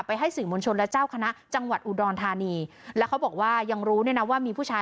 ให้สื่อมวลชนและเจ้าคณะจังหวัดอุดรธานีแล้วเขาบอกว่ายังรู้เนี่ยนะว่ามีผู้ชาย